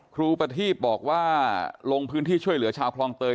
ประทีบบอกว่าลงพื้นที่ช่วยเหลือชาวคลองเตย